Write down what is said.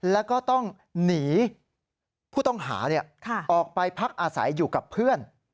แล้วก็ต้องหนีผู้ต้องหาออกไปพักอาศัยอยู่กับเพื่อน